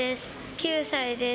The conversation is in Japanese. ９歳です。